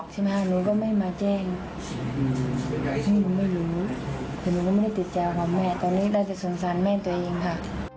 ตอนนี้ก็ได้สนสัญแม่ตัวเองค่ะ